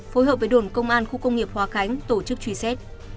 phối hợp với đồn công an khu công nghiệp hòa khánh tổ chức truy xét